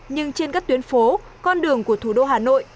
nhưng trên các tuyến phố con đường của thủ đô hà nội